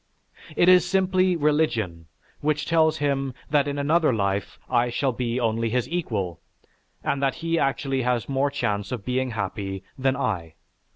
It is simply religion, which tells him that in another life I shall be only his equal, and that he actually has more chance of being happy than I.